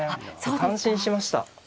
感心しました。